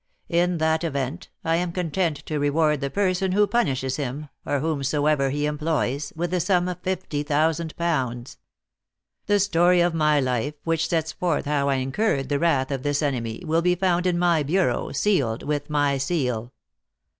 In that event I am content to reward the person who punishes him, or whomsoever he employs, with the sum of fifty thousand pounds. The story of my life, which sets forth how I incurred the wrath of this enemy, will be found in my bureau, sealed with my seal.